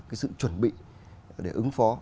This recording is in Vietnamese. cái sự chuẩn bị để ứng phó